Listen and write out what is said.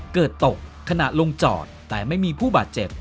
เกิดตกขณะลงจอดแต่ไม่มีผู้บาดเจ็บ